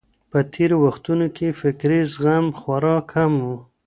په تېرو وختونو کي فکري زغم خورا کم وو.